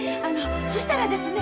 そしたらですね